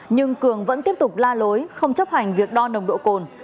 nhưng cường vẫn tiếp tục la lối không chấp hành việc đo nồng độ cồn